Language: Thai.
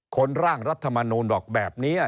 ร่างรัฐมนูลบอกแบบนี้